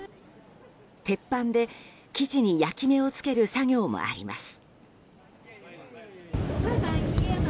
鉄板で生地に焼き目をつける作業もあります。